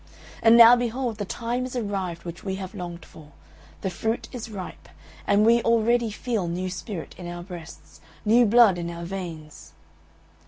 And now behold the time is arrived which we have longed for; the fruit is ripe, and we already feel new spirit in our breasts, new blood in our veins."